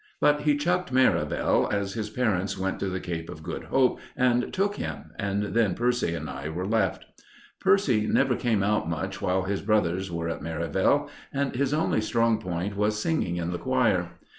But he chucked Merivale, as his parents went to the Cape of Good Hope and took him, and then Percy and I were left. Percy never came out much while his brothers were at Merivale, and his only strong point was singing in the choir.